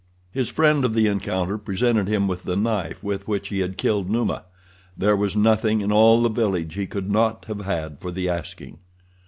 His friend of the encounter presented him with the knife with which he had killed Numa. There was nothing in all the village he could not have had for the asking.